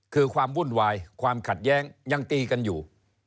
คือความวุ่นวายความขัดแย้งยังตีกันอยู่